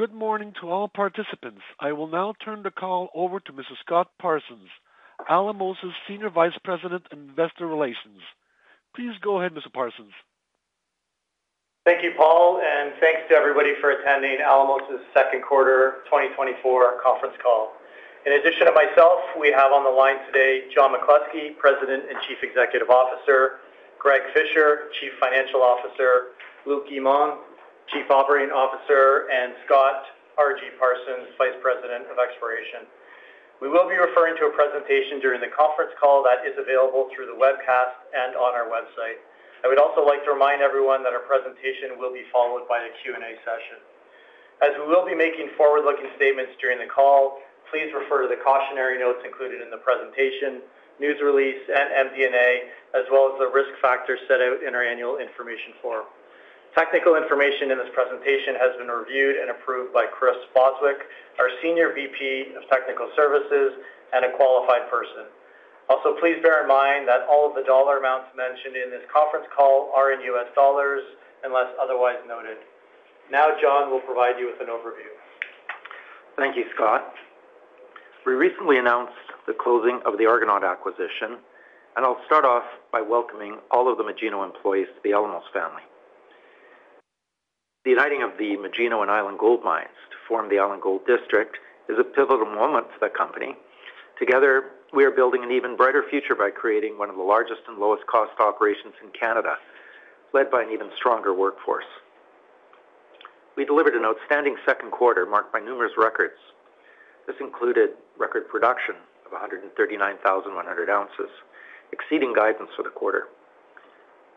Good morning to all participants. I will now turn the call over to Mr. Scott Parsons, Alamos's Senior Vice President and Investor Relations. Please go ahead, Mr. Parsons. Thank you, Paul, and thanks to everybody for attending Alamos's second quarter 2024 conference call. In addition to myself, we have on the line today John McCluskey, President and Chief Executive Officer, Greg Fisher, Chief Financial Officer, Luc Guimond, Chief Operating Officer, and Scott R.G. Parsons, Vice President of Exploration. We will be referring to a presentation during the conference call that is available through the webcast and on our website. I would also like to remind everyone that our presentation will be followed by a Q&A session. As we will be making forward-looking statements during the call, please refer to the cautionary notes included in the presentation, news release, and MD&A, as well as the risk factors set out in our annual information form. Technical information in this presentation has been reviewed and approved by Chris Bostwick, our Senior VP of Technical Services, and a qualified person. Also, please bear in mind that all of the dollar amounts mentioned in this conference call are in U.S. dollars unless otherwise noted. Now, John will provide you with an overview. Thank you, Scott. We recently announced the closing of the Argonaut acquisition, and I'll start off by welcoming all of the Magino employees to the Alamos family. The uniting of the Magino and Island Gold mines to form the Island Gold District is a pivotal moment for the company. Together, we are building an even brighter future by creating one of the largest and lowest-cost operations in Canada, led by an even stronger workforce. We delivered an outstanding second quarter marked by numerous records. This included record production of 139,100 ounces, exceeding guidance for the quarter.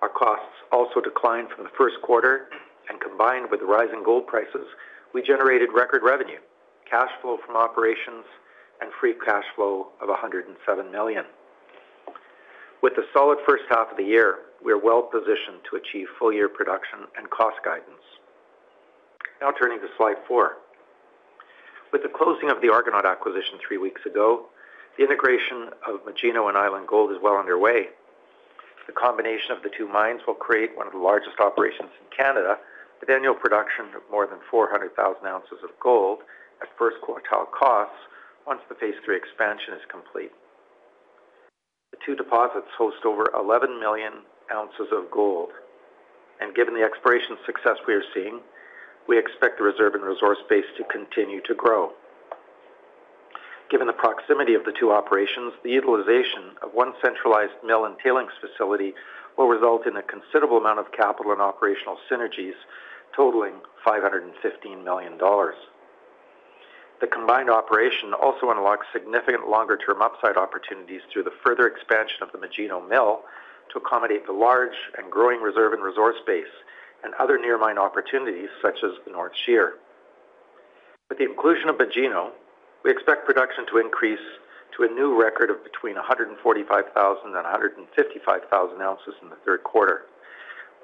Our costs also declined from the first quarter, and combined with the rising gold prices, we generated record revenue, cash flow from operations, and free cash flow of $107 million. With a solid first half of the year, we are well positioned to achieve full-year production and cost guidance. Now, turning to slide 4. With the closing of the Argonaut acquisition three weeks ago, the integration of Magino and Island Gold is well underway. The combination of the two mines will create one of the largest operations in Canada, with annual production of more than 400,000 ounces of gold at first quartile costs once the Phase 3 Expansion is complete. The two deposits host over 11 million ounces of gold, and given the exploration success we are seeing, we expect the reserve and resource base to continue to grow. Given the proximity of the two operations, the utilization of one centralized mill and tailings facility will result in a considerable amount of capital and operational synergies, totaling $515 million. The combined operation also unlocks significant longer-term upside opportunities through the further expansion of the Magino mill to accommodate the large and growing reserve and resource base and other near-mine opportunities, such as the North Shear. With the inclusion of Magino, we expect production to increase to a new record of between 145,000 and 155,000 ounces in the third quarter.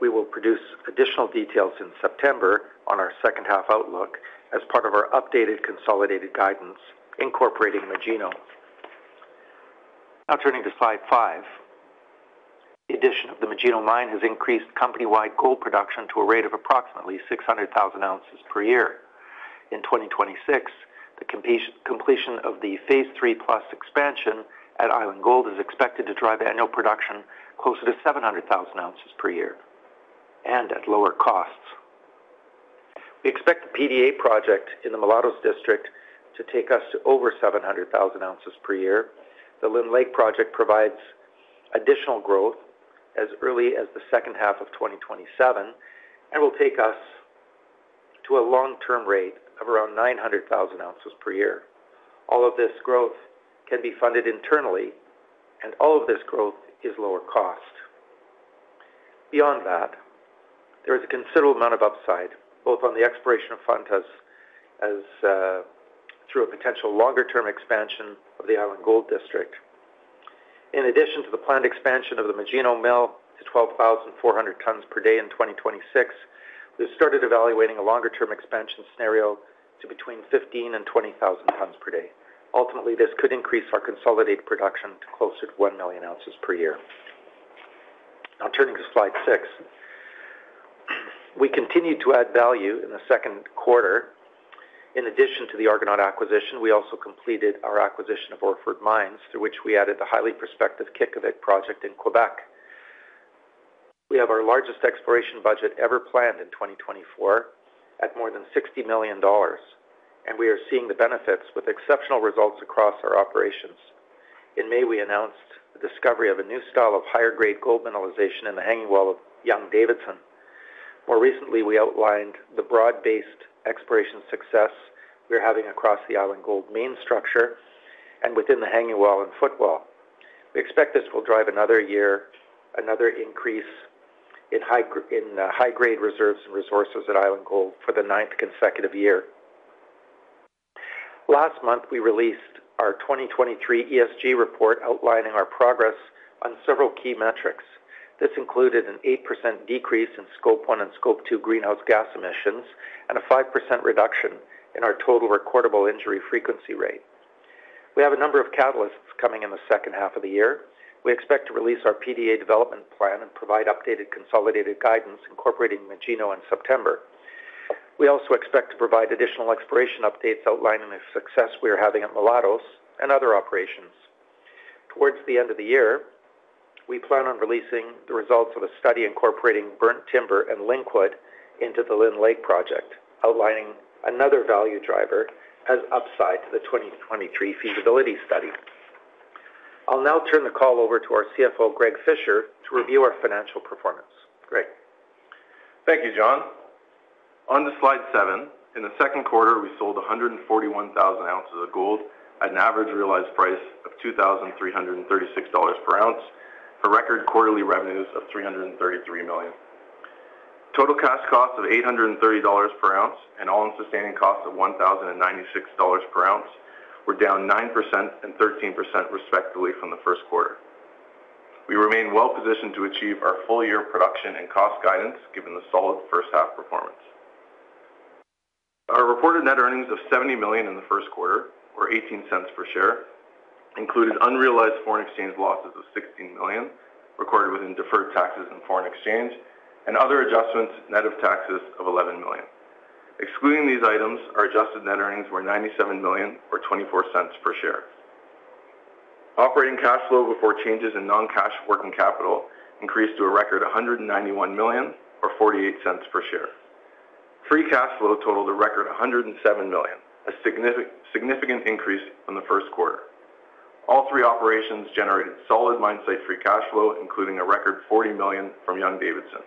We will produce additional details in September on our second-half outlook as part of our updated consolidated guidance incorporating Magino. Now, turning to slide five. The addition of the Magino mine has increased company-wide gold production to a rate of approximately 600,000 ounces per year. In 2026, the completion of Phase 3+ Expansion at Island Gold is expected to drive annual production closer to 700,000 ounces per year and at lower costs. We expect the PDA project in the Mulatos District to take us to over 700,000 ounces per year. The Lynn Lake project provides additional growth as early as the second half of 2027 and will take us to a long-term rate of around 900,000 ounces per year. All of this growth can be funded internally, and all of this growth is lower cost. Beyond that, there is a considerable amount of upside, both on the exploration of fronts through a potential longer-term expansion of the Island Gold District. In addition to the planned expansion of the Magino mill to 12,400 tons per day in 2026, we've started evaluating a longer-term expansion scenario to between 15,000-20,000 tons per day. Ultimately, this could increase our consolidated production to closer to one million ounces per year. Now, turning to slide 6. We continue to add value in the second quarter. In addition to the Argonaut acquisition, we also completed our acquisition of Orford Mines, through which we added the highly prospective Qiqavik project in Quebec. We have our largest exploration budget ever planned in 2024 at more than $60 million, and we are seeing the benefits with exceptional results across our operations. In May, we announced the discovery of a new style of higher-grade gold mineralization in the hanging wall of Young-Davidson. More recently, we outlined the broad-based exploration success we are having across the Island Gold main structure and within the hanging wall and footwall. We expect this will drive another year, another increase in high-grade reserves and resources at Island Gold for the ninth consecutive year. Last month, we released our 2023 ESG report outlining our progress on several key metrics. This included an 8% decrease in Scope 1 and Scope 2 greenhouse gas emissions and a 5% reduction in our total recordable injury frequency rate. We have a number of catalysts coming in the second half of the year. We expect to release our PDA development plan and provide updated consolidated guidance incorporating Magino in September. We also expect to provide additional exploration updates outlining the success we are having at Mulatos and other operations. Towards the end of the year, we plan on releasing the results of a study incorporating Burnt Timber and Linkwood into the Lynn Lake project, outlining another value driver as upside to the 2023 feasibility study. I'll now turn the call over to our CFO, Greg Fisher, to review our financial performance. Greg. Thank you, John. On to slide seven. In the second quarter, we sold 141,000 ounces of gold at an average realized price of $2,336 per ounce for record quarterly revenues of $333 million. Total cash costs of $830 per ounce and all-in sustaining costs of $1,096 per ounce were down 9% and 13% respectively from the first quarter. We remain well positioned to achieve our full-year production and cost guidance given the solid first-half performance. Our reported net earnings of $70 million in the first quarter, or $0.18 per share, included unrealized foreign exchange losses of $16 million, recorded within deferred taxes and foreign exchange, and other adjustments net of taxes of $11 million. Excluding these items, our adjusted net earnings were $97 million, or $0.24 per share. Operating cash flow before changes in non-cash working capital increased to a record $191 million, or $0.48 per share. Free cash flow totaled a record $107 million, a significant increase in the first quarter. All three operations generated solid mine site free cash flow, including a record $40 million from Young-Davidson.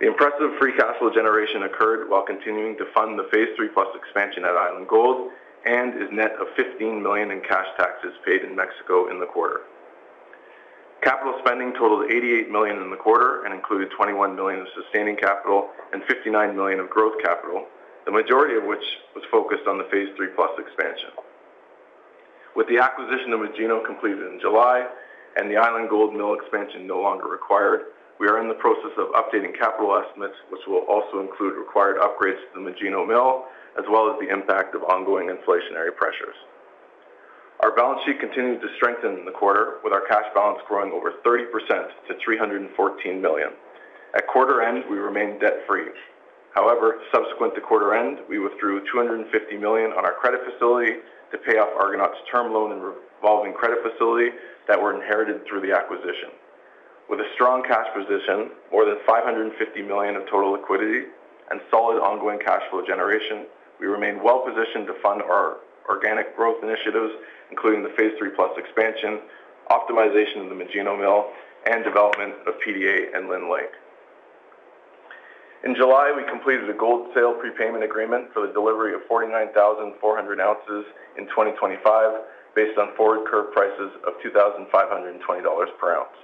The impressive free cash flow generation occurred while continuing to fund Phase 3+ Expansion at Island Gold and is net of $15 million in cash taxes paid in Mexico in the quarter. Capital spending totaled $88 million in the quarter and included $21 million of sustaining capital and $59 million of growth capital, the majority of which was focused on Phase 3+ Expansion. with the acquisition of Magino completed in July and the Island Gold mill expansion no longer required, we are in the process of updating capital estimates, which will also include required upgrades to the Magino mill, as well as the impact of ongoing inflationary pressures. Our balance sheet continues to strengthen in the quarter, with our cash balance growing over 30% to $314 million. At quarter end, we remain debt-free. However, subsequent to quarter end, we withdrew $250 million on our credit facility to pay off Argonaut's term loan and revolving credit facility that were inherited through the acquisition. With a strong cash position, more than $550 million of total liquidity, and solid ongoing cash flow generation, we remain well positioned to fund our organic growth initiatives, including Phase 3+ Expansion, optimization of the Magino mill, and development of PDA and Lynn Lake. In July, we completed a gold sale prepayment agreement for the delivery of 49,400 ounces in 2025, based on forward curve prices of $2,520 per ounce.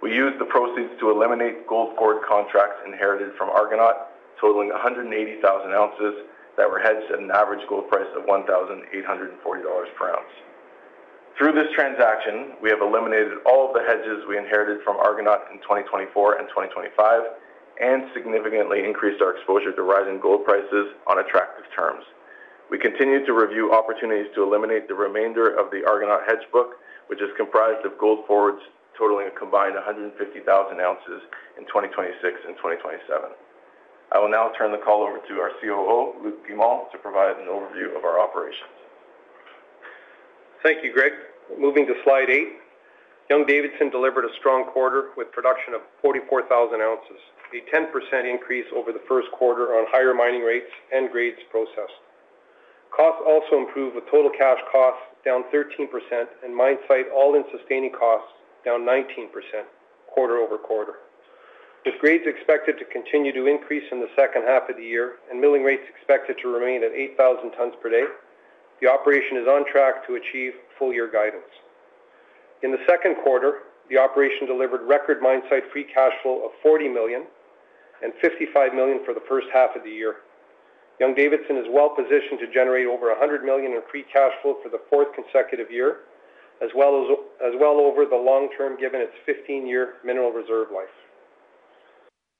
We used the proceeds to eliminate gold forward contracts inherited from Argonaut, totaling 180,000 ounces that were hedged at an average gold price of $1,840 per ounce. Through this transaction, we have eliminated all of the hedges we inherited from Argonaut in 2024 and 2025 and significantly increased our exposure to rising gold prices on attractive terms. We continue to review opportunities to eliminate the remainder of the Argonaut hedge book, which is comprised of gold forwards totaling a combined 150,000 ounces in 2026 and 2027. I will now turn the call over to our COO, Luc Guimond, to provide an overview of our operations. Thank you, Greg. Moving to slide 8, Young-Davidson delivered a strong quarter with production of 44,000 ounces, a 10% increase over the first quarter on higher mining rates and grades processed. Costs also improved with total cash costs down 13% and mine site all-in sustaining costs down 19% quarter-over-quarter. With grades expected to continue to increase in the second half of the year and milling rates expected to remain at 8,000 tons per day, the operation is on track to achieve full-year guidance. In the second quarter, the operation delivered record mine site free cash flow of $40 million and $55 million for the first half of the year. Young-Davidson is well positioned to generate over $100 million in free cash flow for the fourth consecutive year, as well as well over the long term given its 15-year mineral reserve life.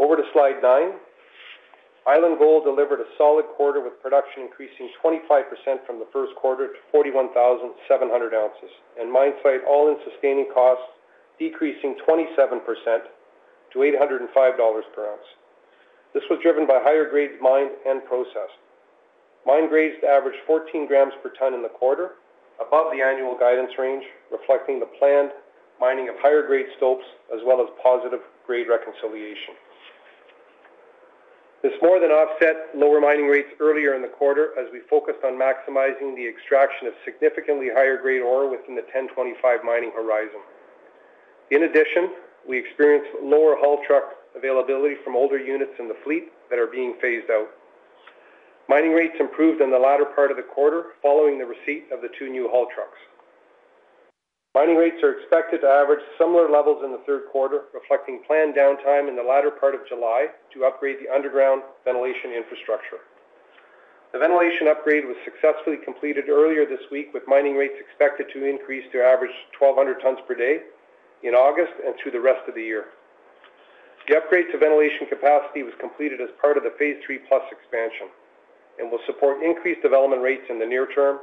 Over to slide nine. Island Gold delivered a solid quarter with production increasing 25% from the first quarter to 41,700 ounces, and mine site all-in sustaining costs decreasing 27% to $805 per ounce. This was driven by higher-grade mined and processed. Mine grades averaged 14 grams per ton in the quarter, above the annual guidance range, reflecting the planned mining of higher-grade stopes, as well as positive grade reconciliation. This more than offset lower mining rates earlier in the quarter as we focused on maximizing the extraction of significantly higher-grade ore within the 1025 mining horizon. In addition, we experienced lower haul truck availability from older units in the fleet that are being phased out. Mining rates improved in the latter part of the quarter following the receipt of the two new haul trucks. Mining rates are expected to average similar levels in the third quarter, reflecting planned downtime in the latter part of July to upgrade the underground ventilation infrastructure. The ventilation upgrade was successfully completed earlier this week, with mining rates expected to increase to average 1,200 tons per day in August and through the rest of the year. The upgrade to ventilation capacity was completed as part of Phase 3+ Expansion and will support increased development rates in the near term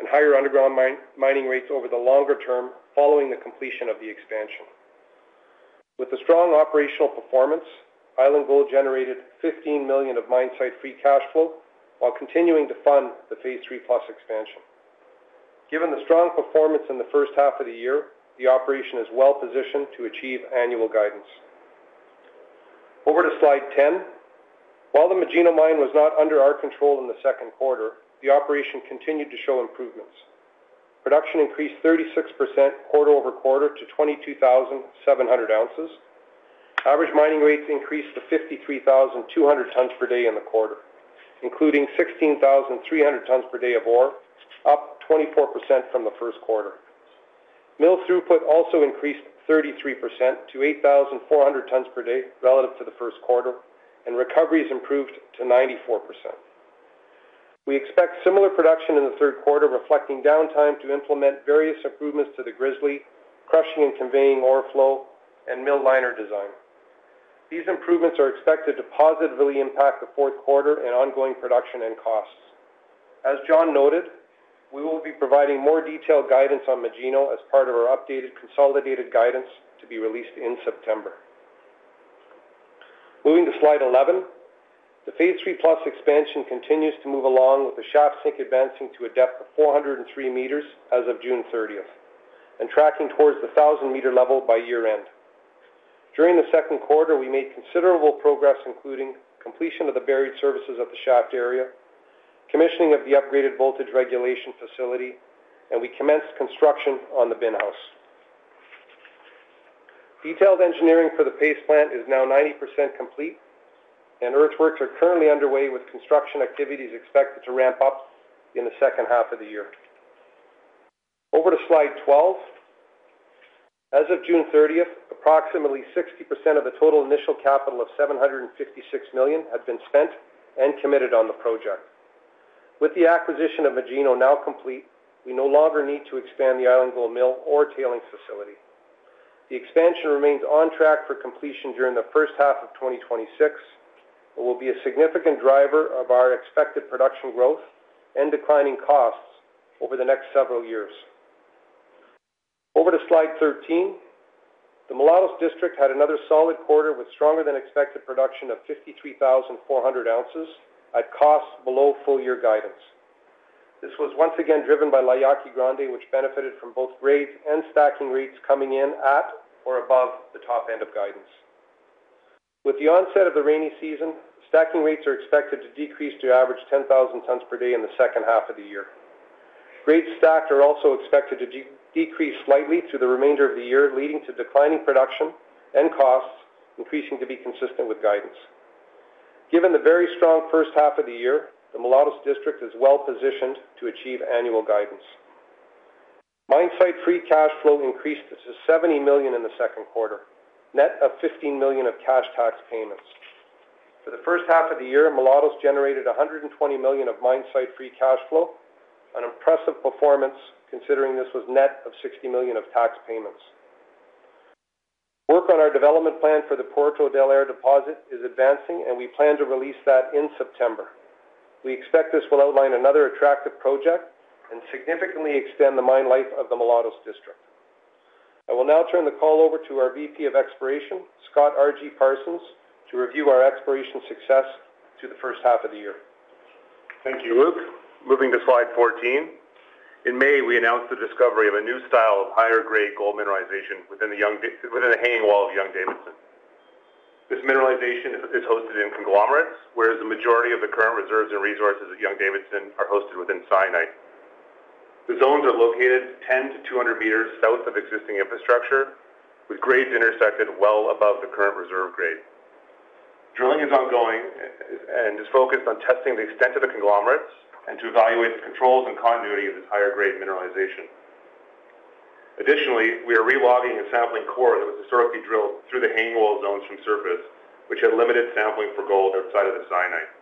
and higher underground mining rates over the longer term following the completion of the expansion. With a strong operational performance, Island Gold generated $15 million of mine site free cash flow while continuing to fund Phase 3+ Expansion. given the strong performance in the first half of the year, the operation is well positioned to achieve annual guidance. Over to slide 10. While the Magino mine was not under our control in the second quarter, the operation continued to show improvements. Production increased 36% quarter-over-quarter to 22,700 ounces. Average mining rates increased to 53,200 tons per day in the quarter, including 16,300 tons per day of ore, up 24% from the first quarter. Mill throughput also increased 33% to 8,400 tons per day relative to the first quarter, and recovery has improved to 94%. We expect similar production in the third quarter, reflecting downtime to implement various improvements to the grizzly, crushing, and conveying ore flow, and mill liner design. These improvements are expected to positively impact the fourth quarter and ongoing production and costs. As John noted, we will be providing more detailed guidance on Magino as part of our updated consolidated guidance to be released in September. Moving to slide 11, Phase 3+ Expansion continues to move along with the shaft sink advancing to a depth of 403 meters as of June 30th and tracking towards the 1,000-meter level by year-end. During the second quarter, we made considerable progress, including completion of the buried services at the shaft area, commissioning of the upgraded voltage regulation facility, and we commenced construction on the bin house. Detailed engineering for the paste plant is now 90% complete, and earthworks are currently underway with construction activities expected to ramp up in the second half of the year. Over to slide 12. As of June 30th, approximately 60% of the total initial capital of $756 million had been spent and committed on the project. With the acquisition of Magino now complete, we no longer need to expand the Island Gold mill or tailings facility. The expansion remains on track for completion during the first half of 2026, but will be a significant driver of our expected production growth and declining costs over the next several years. Over to slide 13. The Mulatos District had another solid quarter with stronger-than-expected production of 53,400 ounces at costs below full-year guidance. This was once again driven by La Yaqui Grande, which benefited from both grades and stacking rates coming in at or above the top end of guidance. With the onset of the rainy season, stacking rates are expected to decrease to average 10,000 tons per day in the second half of the year. Grades stacked are also expected to decrease slightly through the remainder of the year, leading to declining production and costs increasing to be consistent with guidance. Given the very strong first half of the year, the Mulatos District is well positioned to achieve annual guidance. Mine site free cash flow increased to $70 million in the second quarter, net of $15 million of cash tax payments. For the first half of the year, Mulatos generated $120 million of mine site free cash flow, an impressive performance considering this was net of $60 million of tax payments. Work on our development plan for the Puerto del Aire deposit is advancing, and we plan to release that in September. We expect this will outline another attractive project and significantly extend the mine life of the Mulatos District. I will now turn the call over to our VP of Exploration, Scott R.G. Parsons, to review our exploration success through the first half of the year. Thank you, Luc. Moving to slide 14. In May, we announced the discovery of a new style of higher-grade gold mineralization within the hanging wall of Young-Davidson. This mineralization is hosted in conglomerates, whereas the majority of the current reserves and resources at Young-Davidson are hosted within syenite. The zones are located 10-200 meters south of existing infrastructure, with grades intersected well above the current reserve grade. Drilling is ongoing and is focused on testing the extent of the conglomerates and to evaluate the controls and continuity of this higher-grade mineralization. Additionally, we are relogging and sampling core that was historically drilled through the hanging wall zones from surface, which had limited sampling for gold outside of the syenite.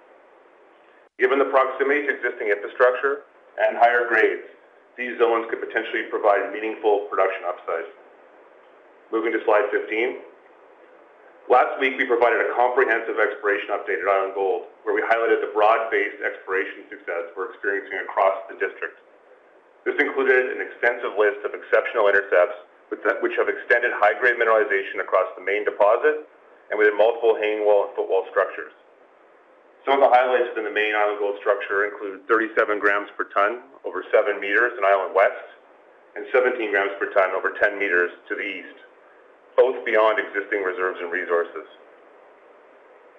Given the proximity to existing infrastructure and higher grades, these zones could potentially provide meaningful production upside. Moving to slide 15. Last week, we provided a comprehensive exploration update at Island Gold, where we highlighted the broad-based exploration success we're experiencing across the district. This included an extensive list of exceptional intercepts, which have extended high-grade mineralization across the main deposit and within multiple hanging wall and footwall structures. Some of the highlights within the main Island Gold structure include 37 grams per ton over seven meters in Island West and 17 grams per ton over 10 meters to the east, both beyond existing reserves and resources.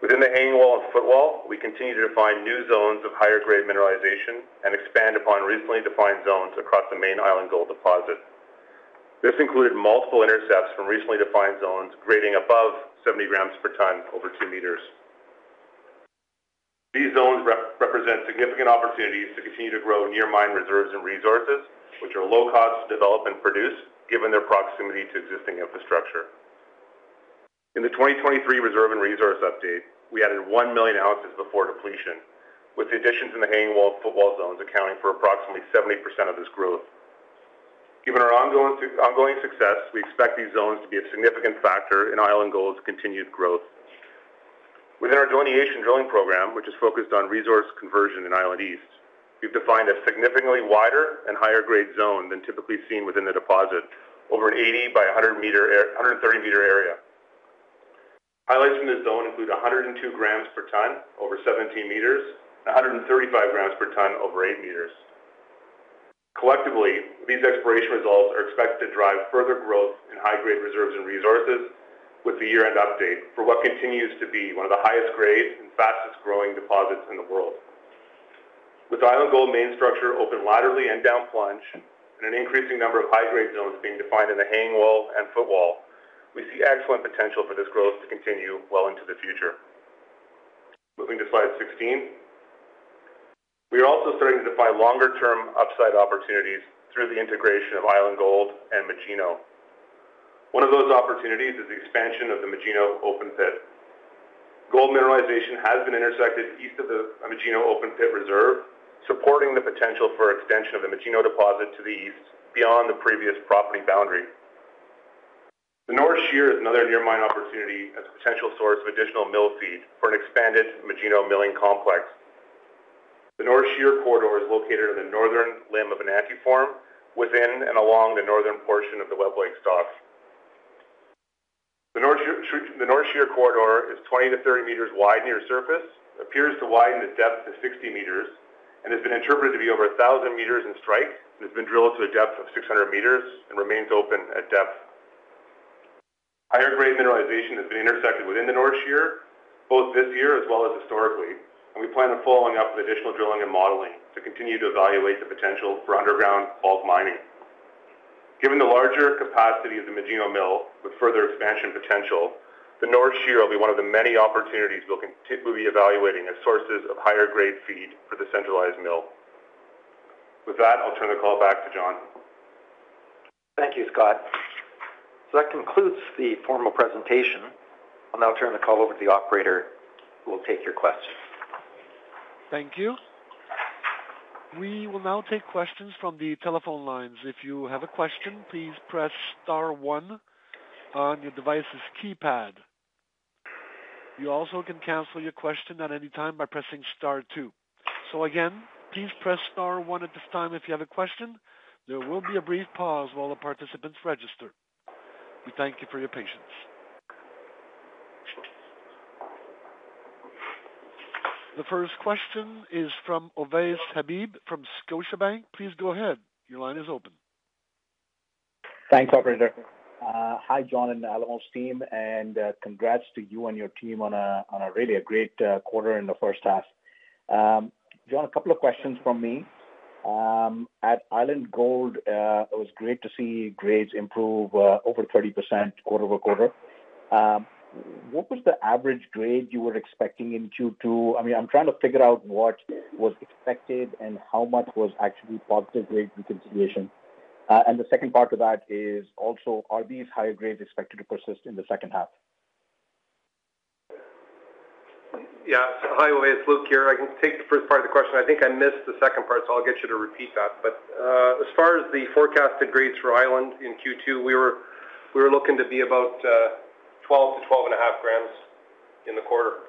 Within the hanging wall and footwall, we continue to define new zones of higher-grade mineralization and expand upon recently defined zones across the main Island Gold deposit. This included multiple intercepts from recently defined zones grading above 70 grams per ton over two meters. These zones represent significant opportunities to continue to grow near mine reserves and resources, which are low cost to develop and produce, given their proximity to existing infrastructure. In the 2023 reserve and resource update, we added 1 million ounces before depletion, with the additions in the hanging wall and footwall zones accounting for approximately 70% of this growth. Given our ongoing success, we expect these zones to be a significant factor in Island Gold's continued growth. Within our delineation drilling program, which is focused on resource conversion in Island East, we've defined a significantly wider and higher-grade zone than typically seen within the deposit, over an 80 by 130-meter area. Highlights from this zone include 102 grams per ton over 17 meters and 135 grams per ton over eight meters. Collectively, these exploration results are expected to drive further growth in high-grade reserves and resources with the year-end update for what continues to be one of the highest-grade and fastest-growing deposits in the world. With Island Gold main structure open laterally and down plunge and an increasing number of high-grade zones being defined in the hanging wall and footwall, we see excellent potential for this growth to continue well into the future. Moving to slide 16. We are also starting to define longer-term upside opportunities through the integration of Island Gold and Magino. One of those opportunities is the expansion of the Magino open pit. Gold mineralization has been intersected east of the Magino open pit reserve, supporting the potential for extension of the Magino deposit to the east beyond the previous property boundary. The North Shear is another near-mine opportunity as a potential source of additional mill feed for an expanded Magino milling complex. The North Shear corridor is located in the northern limb of an anticline within and along the northern portion of the Webb Lake stock. The North Shear corridor is 20-30 meters wide near surface, appears to widen with depth to 60 meters, and has been interpreted to be over 1,000 meters in strike, and has been drilled to a depth of 600 meters and remains open at depth. Higher-grade mineralization has been intersected within the North Shear, both this year as well as historically, and we plan on following up with additional drilling and modeling to continue to evaluate the potential for underground bulk mining. Given the larger capacity of the Magino mill with further expansion potential, the North Shear will be one of the many opportunities we'll be evaluating as sources of higher-grade feed for the centralized mill. With that, I'll turn the call back to John. Thank you, Scott. That concludes the formal presentation. I'll now turn the call over to the operator who will take your questions. Thank you. We will now take questions from the telephone lines. If you have a question, please press star one on your device's keypad. You also can cancel your question at any time by pressing star two. So again, please press star one at this time if you have a question. There will be a brief pause while the participants register. We thank you for your patience. The first question is from Ovais Habib from Scotiabank. Please go ahead. Your line is open. Thanks, Operator. Hi, John, and Alamos team, and congrats to you and your team on a really great quarter in the first half. John, a couple of questions from me. At Island Gold, it was great to see grades improve over 30% quarter-over-quarter. What was the average grade you were expecting in Q2? I mean, I'm trying to figure out what was expected and how much was actually positive grade reconciliation. And the second part of that is also, are these higher grades expected to persist in the second half? Yeah. Hi, Ovais. Luc here. I can take the first part of the question. I think I missed the second part, so I'll get you to repeat that. But as far as the forecasted grades for Island in Q2, we were looking to be about 12-12.5 grams in the quarter.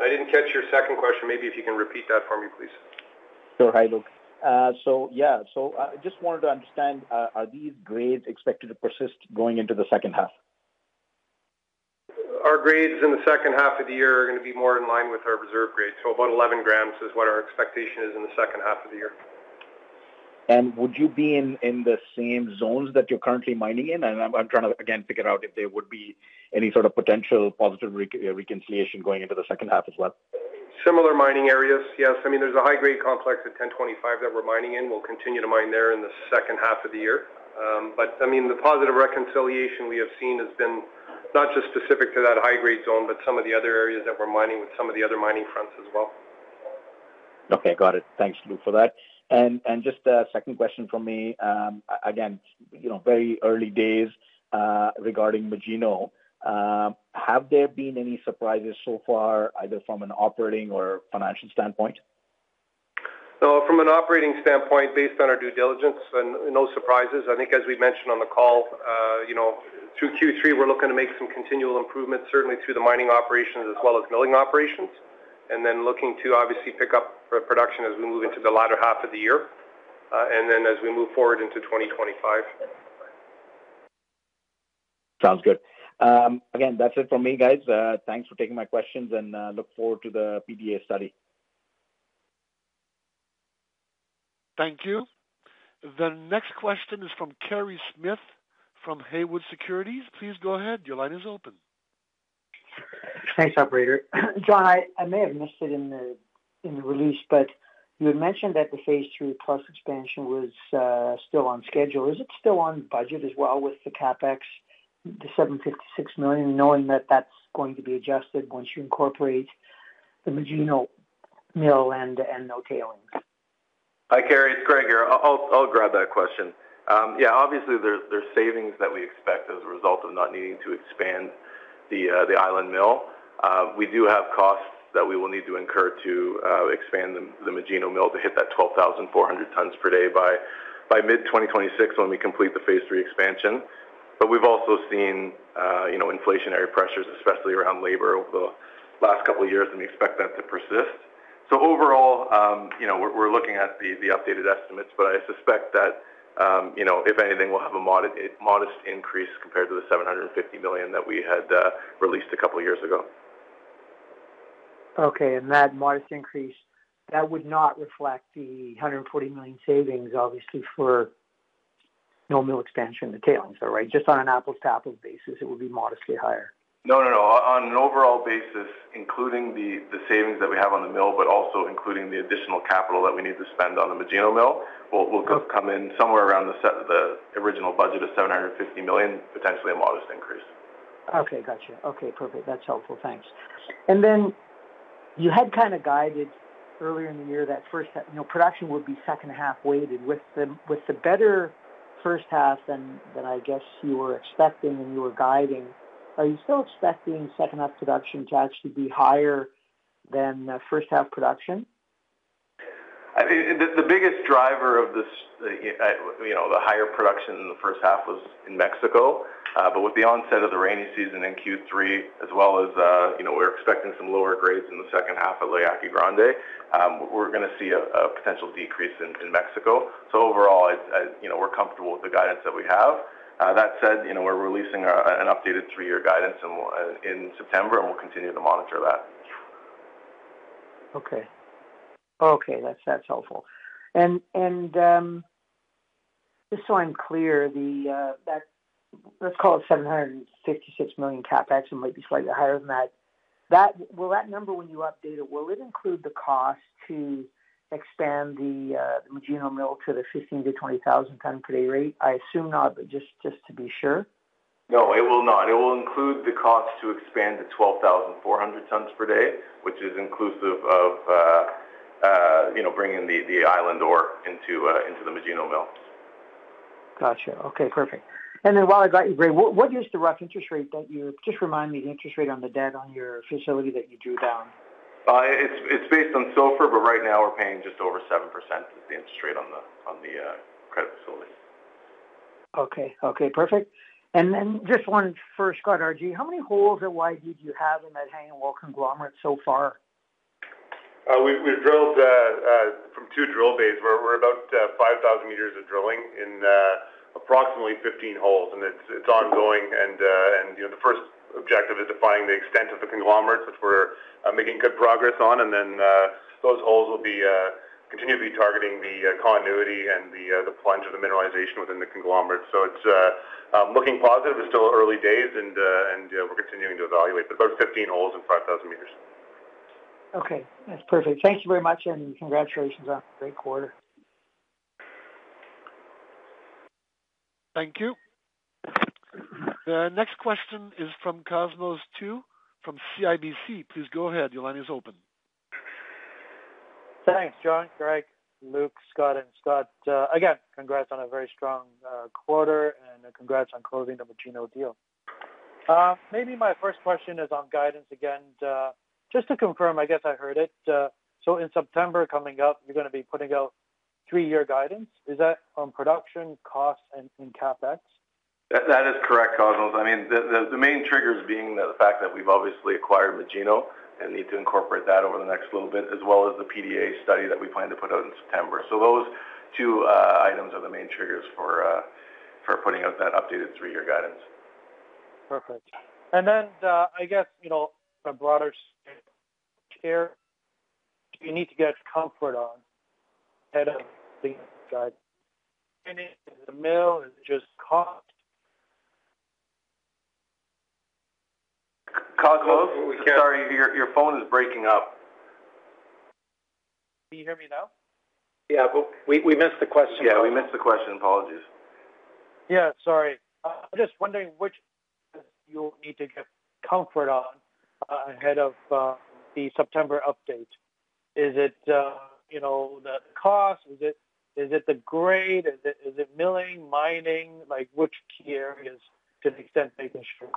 I didn't catch your second question. Maybe if you can repeat that for me, please. Sure, hi, Luc. So yeah, so I just wanted to understand, are these grades expected to persist going into the second half? Our grades in the second half of the year are going to be more in line with our reserve grade. About 11 grams is what our expectation is in the second half of the year. Would you be in the same zones that you're currently mining in? I'm trying to, again, figure out if there would be any sort of potential positive reconciliation going into the second half as well. Similar mining areas, yes. I mean, there's a high-grade complex at 1025 that we're mining in. We'll continue to mine there in the second half of the year. But I mean, the positive reconciliation we have seen has been not just specific to that high-grade zone, but some of the other areas that we're mining with some of the other mining fronts as well. Okay. Got it. Thanks, Luc, for that. Just a second question from me. Again, very early days regarding Magino. Have there been any surprises so far, either from an operating or financial standpoint? From an operating standpoint, based on our due diligence, no surprises. I think, as we mentioned on the call, through Q3, we're looking to make some continual improvements, certainly through the mining operations as well as milling operations, and then looking to obviously pick up production as we move into the latter half of the year and then as we move forward into 2025. Sounds good. Again, that's it from me, guys. Thanks for taking my questions, and look forward to the PDA study. Thank you. The next question is from Kerry Smith from Haywood Securities. Please go ahead. Your line is open. Thanks, Operator. John, I may have missed it in the release, but you had mentioned that Phase 3+ Expansion was still on schedule. Is it still on budget as well with the CapEx, the $756 million, knowing that that's going to be adjusted once you incorporate the Magino mill and no tailings? Hi, Kerry. It's Greg here. I'll grab that question. Yeah, obviously, there's savings that we expect as a result of not needing to expand the Island Mill. We do have costs that we will need to incur to expand the Magino mill to hit that 12,400 tons per day by mid-2026 when we complete the phase three expansion. But we've also seen inflationary pressures, especially around labor, over the last couple of years, and we expect that to persist. So overall, we're looking at the updated estimates, but I suspect that, if anything, we'll have a modest increase compared to the $750 million that we had released a couple of years ago. Okay. That modest increase, that would not reflect the $140 million savings, obviously, for no mill expansion, the tailings, though, right? Just on an apples-to-apples basis, it would be modestly higher. No, no, no. On an overall basis, including the savings that we have on the mill, but also including the additional capital that we need to spend on the Magino mill, we'll come in somewhere around the original budget of $750 million, potentially a modest increase. Okay. Gotcha. Okay. Perfect. That's helpful. Thanks. And then you had kind of guided earlier in the year that production would be second half weighted with the better first half than I guess you were expecting and you were guiding. Are you still expecting second half production to actually be higher than first half production? The biggest driver of the higher production in the first half was in Mexico. But with the onset of the rainy season in Q3, as well as we're expecting some lower grades in the second half of La Yaqui Grande, we're going to see a potential decrease in Mexico. So overall, we're comfortable with the guidance that we have. That said, we're releasing an updated three-year guidance in September, and we'll continue to monitor that. Okay. Okay. That's helpful. And just so I'm clear, let's call it $756 million CapEx, it might be slightly higher than that. Will that number, when you update it, will it include the cost to expand the Magino mill to the 15,000-20,000 tons per day rate? I assume not, but just to be sure. No, it will not. It will include the cost to expand to 12,400 tons per day, which is inclusive of bringing the Island ore into the Magino mill. Gotcha. Okay. Perfect. And then while I've got you, Greg, what is the rough interest rate that you just remind me the interest rate on the debt on your facility that you drew down? It's based on SOFR, but right now we're paying just over 7% as the interest rate on the credit facility. Okay. Okay. Perfect. And then just one for Scott R.G. How many holes and YD do you have in that Hanging Wall Conglomerate so far? We've drilled from two drill bays. We're about 5,000 meters of drilling in approximately 15 holes, and it's ongoing. The first objective is defining the extent of the conglomerates, which we're making good progress on. Then those holes will continue to be targeting the continuity and the plunge of the mineralization within the conglomerate. It's looking positive. It's still early days, and we're continuing to evaluate. About 15 holes and 5,000 meters. Okay. That's perfect. Thank you very much, and congratulations on a great quarter. Thank you. The next question is from Cosmos Chiu from CIBC. Please go ahead. Your line is open. Thanks, John, Greg, Luc, Scott, and Scott. Again, congrats on a very strong quarter, and congrats on closing the Magino deal. Maybe my first question is on guidance again. Just to confirm, I guess I heard it. So in September coming up, you're going to be putting out three-year guidance. Is that on production, cost, and CapEx? That is correct, Cosmos. I mean, the main triggers being the fact that we've obviously acquired Magino and need to incorporate that over the next little bit, as well as the PDA study that we plan to put out in September. So those two items are the main triggers for putting out that updated three-year guidance. Perfect. And then I guess, for broader scale, do you need to get comfort on ahead of the guidance? Is it the mill? Is it just cost? Cosmos, sorry, your phone is breaking up. Can you hear me now? Yeah, but we missed the question. Yeah, we missed the question. Apologies. Yeah, sorry. I'm just wondering which you'll need to get comfort on ahead of the September update. Is it the cost? Is it the grade? Is it milling, mining? Which key areas, to the extent they can shrink?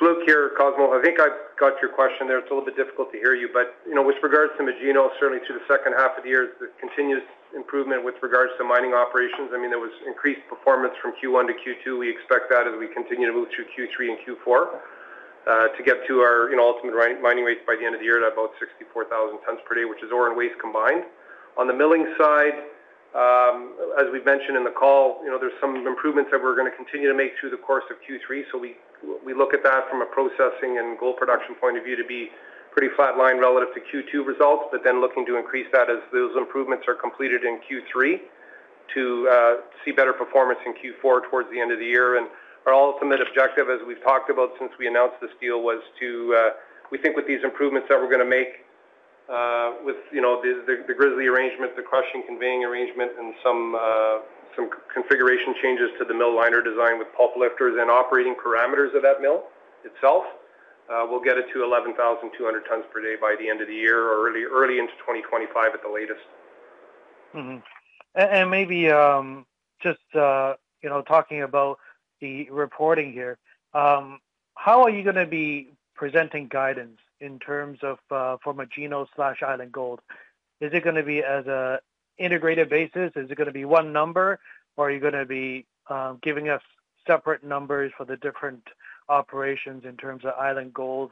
Luc here, Cosmos. I think I've got your question there. It's a little bit difficult to hear you, but with regards to Magino, certainly through the second half of the year, there's continuous improvement with regards to mining operations. I mean, there was increased performance from Q1 to Q2. We expect that as we continue to move through Q3 and Q4 to get to our ultimate mining rate by the end of the year at about 64,000 tons per day, which is ore and waste combined. On the milling side, as we've mentioned in the call, there's some improvements that we're going to continue to make through the course of Q3. So we look at that from a processing and gold production point of view to be pretty flatlined relative to Q2 results, but then looking to increase that as those improvements are completed in Q3 to see better performance in Q4 towards the end of the year. And our ultimate objective, as we've talked about since we announced this deal, was to, we think with these improvements that we're going to make with the grizzly arrangement, the crushing conveying arrangement, and some configuration changes to the mill liner design with pulp lifters and operating parameters of that mill itself, we'll get it to 11,200 tons per day by the end of the year or early into 2025 at the latest. Maybe just talking about the reporting here, how are you going to be presenting guidance in terms of for Magino/Island Gold? Is it going to be as an integrated basis? Is it going to be one number? Or are you going to be giving us separate numbers for the different operations in terms of Island Gold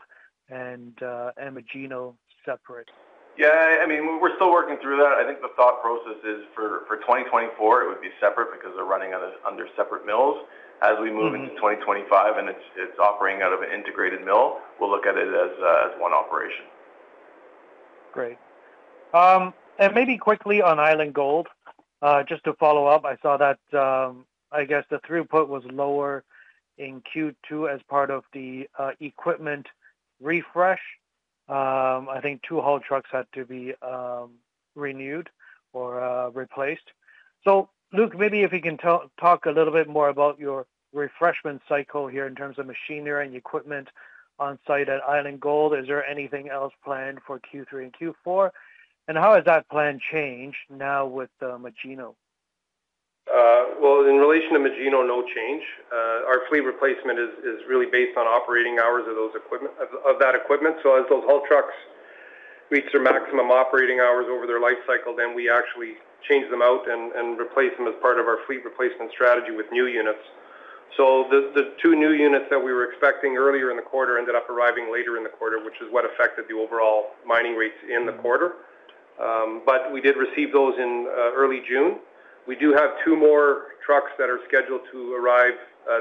and Magino separate? Yeah. I mean, we're still working through that. I think the thought process is for 2024, it would be separate because they're running under separate mills. As we move into 2025 and it's operating out of an integrated mill, we'll look at it as one operation. Great. And maybe quickly on Island Gold, just to follow up, I saw that, I guess, the throughput was lower in Q2 as part of the equipment refresh. I think two haul trucks had to be renewed or replaced. So Luc, maybe if you can talk a little bit more about your refreshment cycle here in terms of machinery and equipment on site at Island Gold. Is there anything else planned for Q3 and Q4? And how has that plan changed now with Magino? Well, in relation to Magino, no change. Our fleet replacement is really based on operating hours of that equipment. So as those haul trucks reach their maximum operating hours over their life cycle, then we actually change them out and replace them as part of our fleet replacement strategy with new units. So the two new units that we were expecting earlier in the quarter ended up arriving later in the quarter, which is what affected the overall mining rates in the quarter. But we did receive those in early June. We do have two more trucks that are scheduled to arrive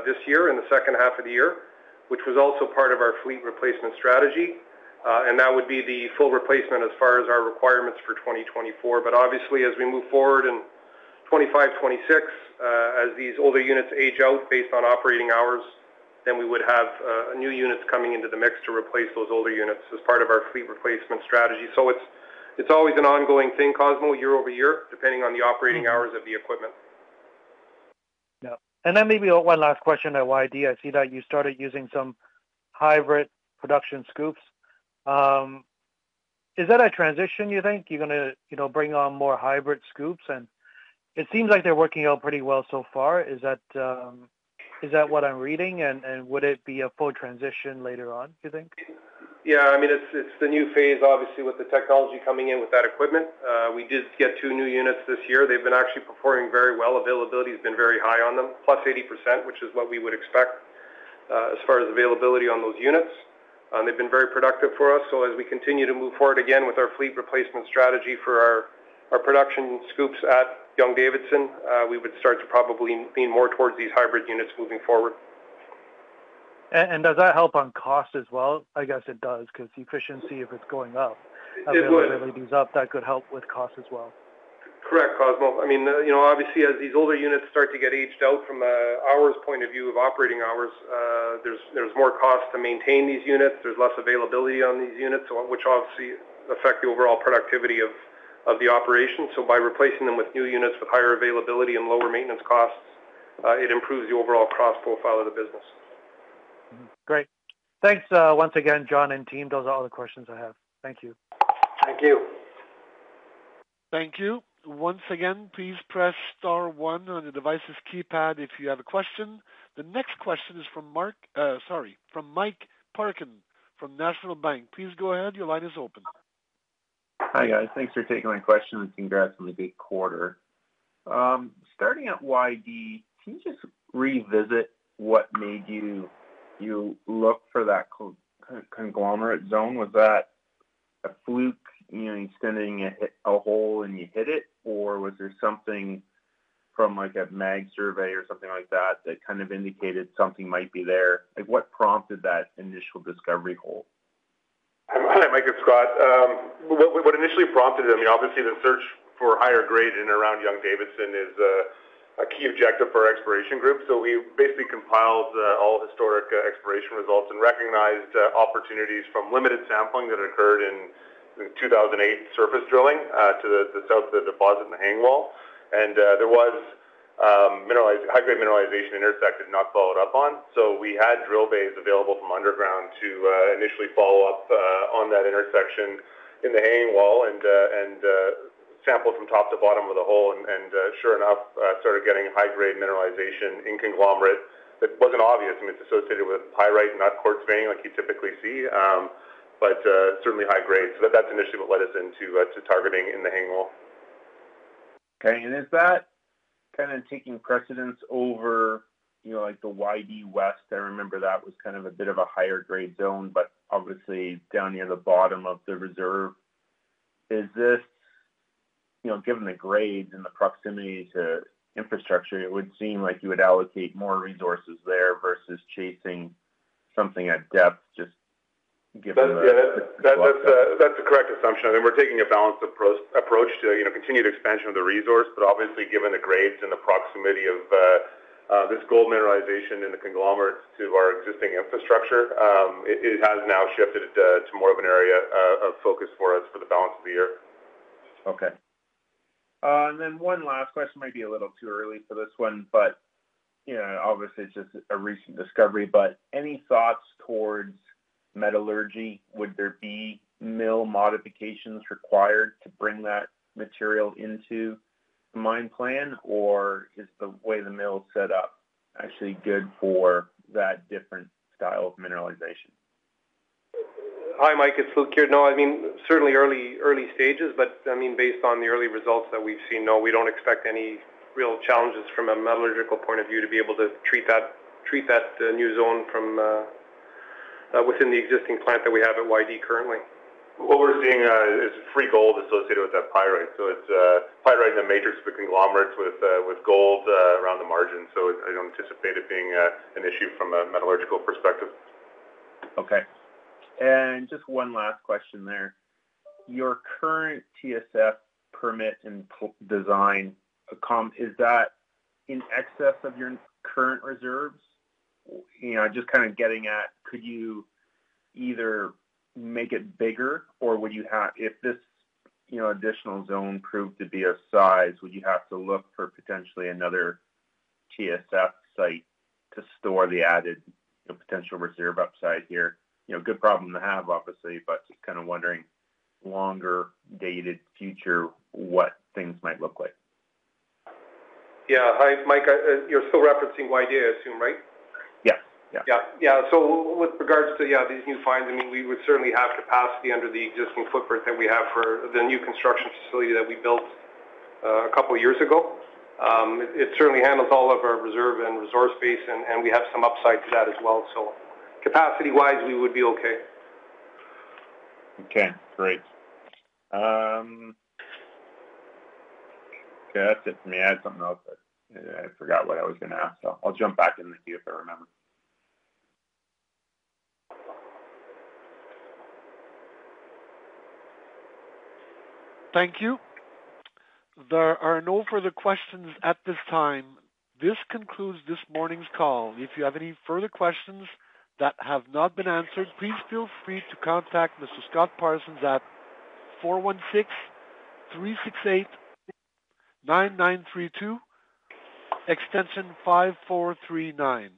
this year in the second half of the year, which was also part of our fleet replacement strategy. And that would be the full replacement as far as our requirements for 2024. But obviously, as we move forward in 2025, 2026, as these older units age out based on operating hours, then we would have new units coming into the mix to replace those older units as part of our fleet replacement strategy. So it's always an ongoing thing, Cosmos, year-over-year, depending on the operating hours of the equipment. Yeah. And then maybe one last question at YD. I see that you started using some hybrid production scoops. Is that a transition, you think? You're going to bring on more hybrid scoops? And it seems like they're working out pretty well so far. Is that what I'm reading? And would it be a full transition later on, do you think? Yeah. I mean, it's the new phase, obviously, with the technology coming in with that equipment. We did get two new units this year. They've been actually performing very well. Availability has been very high on them, plus 80%, which is what we would expect as far as availability on those units. They've been very productive for us. So as we continue to move forward again with our fleet replacement strategy for our production scoops at Young-Davidson, we would start to probably lean more towards these hybrid units moving forward. Does that help on cost as well? I guess it does because efficiency, if it's going up, availability is up. That could help with cost as well. Correct, Cosmos. I mean, obviously, as these older units start to get aged out from our point of view of operating hours, there's more cost to maintain these units. There's less availability on these units, which obviously affects the overall productivity of the operation. So by replacing them with new units with higher availability and lower maintenance costs, it improves the overall cost profile of the business. Great. Thanks once again, John and team. Those are all the questions I have. Thank you. Thank you. Thank you. Once again, please press star one on the device's keypad if you have a question. The next question is from Mark, sorry, from Mike Parkin from National Bank. Please go ahead. Your line is open. Hi guys. Thanks for taking my questions. Congrats on the big quarter. Starting at YD, can you just revisit what made you look for that conglomerate zone? Was that a fluke? You know, you're sending a hole and you hit it, or was there something from like a mag survey or something like that that kind of indicated something might be there? What prompted that initial discovery hole? Hi, Mike it's Scott. What initially prompted it? I mean, obviously, the search for higher grade in and around Young-Davidson is a key objective for our exploration group. So we basically compiled all historic exploration results and recognized opportunities from limited sampling that occurred in 2008 surface drilling to the deposit in the hanging wall. And there was high-grade mineralization intersected, not followed up on. So we had drill bays available from underground to initially follow up on that intersection in the hanging wall and sampled from top to bottom of the hole. And sure enough, started getting high-grade mineralization in conglomerate. It wasn't obvious. I mean, it's associated with pyrite, not quartz veining, like you typically see, but certainly high grade. So that's initially what led us into targeting in the hanging wall. Okay. And is that kind of taking precedence over the YD West? I remember that was kind of a bit of a higher grade zone, but obviously down near the bottom of the reserve. Is this, given the grades and the proximity to infrastructure, it would seem like you would allocate more resources there versus chasing something at depth, just given the. That's the correct assumption. I mean, we're taking a balanced approach to continued expansion of the resource, but obviously, given the grades and the proximity of this gold mineralization in the conglomerate to our existing infrastructure, it has now shifted to more of an area of focus for us for the balance of the year. Okay. And then one last question. It might be a little too early for this one, but obviously, it's just a recent discovery. But any thoughts towards metallurgy? Would there be mill modifications required to bring that material into the mine plan, or is the way the mill is set up actually good for that different style of mineralization? Hi, Mike. It's Luc here. No, I mean, certainly early stages, but I mean, based on the early results that we've seen, no, we don't expect any real challenges from a metallurgical point of view to be able to treat that new zone from within the existing plant that we have at YD currently. What we're seeing is free gold associated with that pyrite. So it's pyrite in the matrix of the conglomerate with gold around the margin. So I don't anticipate it being an issue from a metallurgical perspective. Okay. Just one last question there. Your current TSF permit and design, is that in excess of your current reserves? Just kind of getting at, could you either make it bigger, or would you have, if this additional zone proved to be of size, would you have to look for potentially another TSF site to store the added potential reserve upside here? Good problem to have, obviously, but just kind of wondering, longer dated future, what things might look like? Yeah. Hi, Mike. You're still referencing YD, I assume, right? Yes. Yeah. Yeah. Yeah. So with regards to, yeah, these new finds, I mean, we would certainly have capacity under the existing footprint that we have for the new construction facility that we built a couple of years ago. It certainly handles all of our reserve and resource base, and we have some upside to that as well. So capacity-wise, we would be okay. Okay. Great. Okay. That's it for me. I had something else, but I forgot what I was going to ask. So I'll jump back in with you if I remember. Thank you. There are no further questions at this time. This concludes this morning's call. If you have any further questions that have not been answered, please feel free to contact Mr. Scott Parsons at 416-368-9932, extension 5439.